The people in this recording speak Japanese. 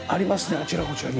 あちらこちらに。